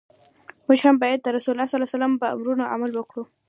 موږ هم باید د رسول الله ص په امرونو عمل وکړو.